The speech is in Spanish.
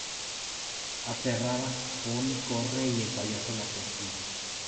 Aterrada, Bonnie corre y el payaso la persigue.